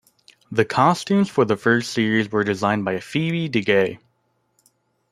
The costumes for the first series were designed by Phoebe De Gaye.